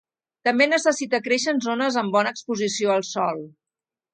També necessita créixer en zones amb bona exposició al sol.